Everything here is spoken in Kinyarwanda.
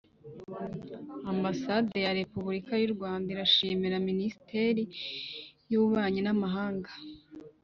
ambasade ya repubulika y'u rwanda irashimira minisiteri y'ububanyi n'amahanga